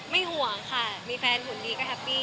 ห่วงค่ะมีแฟนหุ่นดีก็แฮปปี้